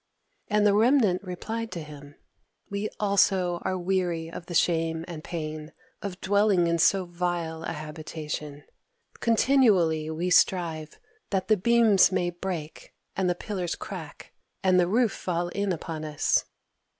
And the remnant replied to him: "We also are weary of the shame and pain of dwelling in so vile a habitation. Continually we strive that the beams may break, and the pillars crack, and the roof fall in upon us."